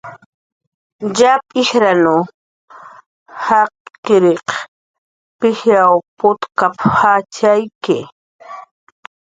"Yap ijran jakkiriq pijyanw putkap"" jatxayki"